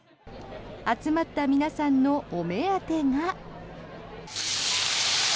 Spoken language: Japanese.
集まった皆さんのお目当てが。